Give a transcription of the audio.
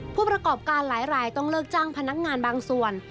ผู้ประกอบการหลายรายต้องเลิกจ้างพนักงานบางส่วน